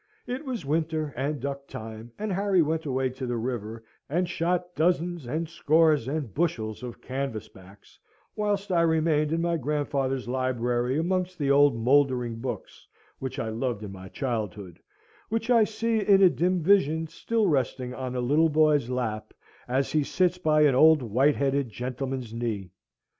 It was winter, and duck time, and Harry went away to the river, and shot dozens and scores and bushels of canvasbacks, whilst I remained in my grandfather's library amongst the old mouldering books which I loved in my childhood which I see in a dim vision still resting on a little boy's lap, as he sits by an old white headed gentleman's knee.